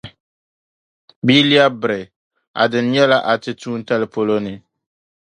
Bɛ yi lԑbi biri, a dini nyɛla a ti tuuntali polo ni.